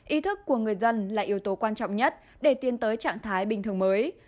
ý thức của người dân là yếu tố quan trọng nhất để tiến tới trạng thái bình thường mới